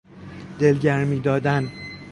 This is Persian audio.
دلگرمی دادن